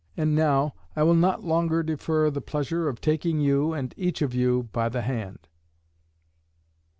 And now I will not longer defer the pleasure of taking you, and each of you, by the hand.